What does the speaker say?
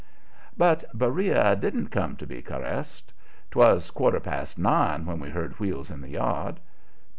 But Beriah didn't come to be caressed. 'Twas quarter past nine when we heard wheels in the yard.